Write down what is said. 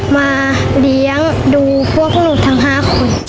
มาเลี้ยงดูพวกหนูทั้ง๕คน